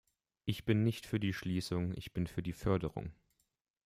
Ich bin nicht für die Schließung, ich bin für die Förderung.